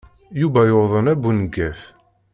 Yuba yuḍen abuneggaf.